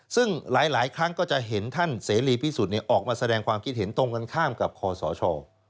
ซึ่งหลายครั้งก็จะเห็นท่านเสรีพิสุทธิ์ออกมาแสดงความคิดเห็นตรงกันข้ามกับคอสช